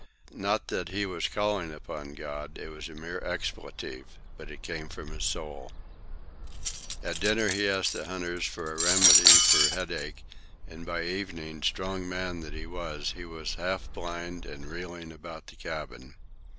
Not that he was calling upon God; it was a mere expletive, but it came from his soul. At dinner he asked the hunters for a remedy for headache, and by evening, strong man that he was, he was half blind and reeling about the cabin.